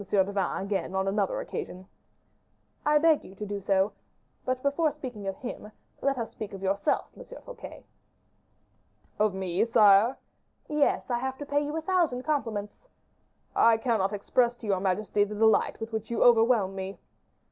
de Vannes again on another occasion " "I beg you to do so. But before speaking of him, let us speak of yourself, M. Fouquet." "Of me, sire?" "Yes, I have to pay you a thousand compliments." "I cannot express to your majesty the delight with which you overwhelm me."